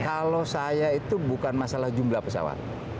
kalau saya itu bukan masalah jumlah pesawat